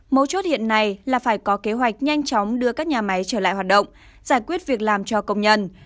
mấu chốt hiện nay là phải có kế hoạch nhanh chóng đưa các nhà máy trở lại hoạt động giải quyết việc làm cho công nhân